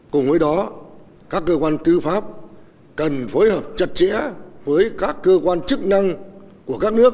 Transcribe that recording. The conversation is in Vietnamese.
cùng với đó các cơ quan tư pháp cần phối hợp chặt chẽ với các cơ quan chức năng của các nước